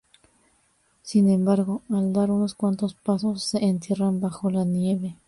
Sin embargo, al dar unos cuantos pasos se entierran bajo la nieve.